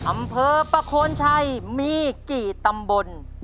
อำเภอประโคนชัยมีกี่ตำบล